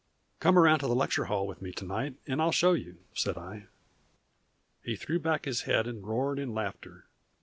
"] "Come around to the lecture hall with me to night and I'll show you," said I. He threw his head back and roared with laughter.